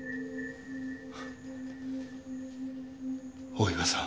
大岩さん。